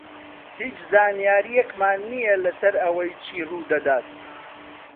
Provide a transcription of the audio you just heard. هیچ زانیارییەکمان نییە لەسەر ئەوەی چی ڕوو دەدات.